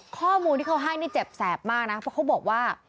ข้อมูลที่เขาให้นี่เจ็บแสบมากนะเพราะเขาบอกว่า